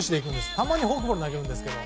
たまにフォークボールを投げるんですけど。